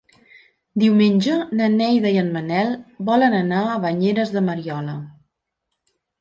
Diumenge na Neida i en Manel volen anar a Banyeres de Mariola.